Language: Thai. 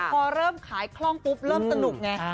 พอเริ่มขายคล่องปุ๊บเริ่มสนุกไง